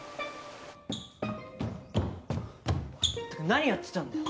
何やってたんだよ！